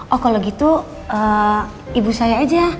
oh kalau gitu ibu saya aja